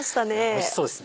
おいしそうです